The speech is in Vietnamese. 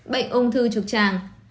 bệnh ung thư trực tràng